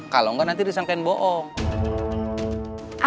kalau enggak nanti disangkain bohong